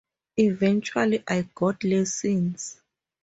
Eventually, I got lessons.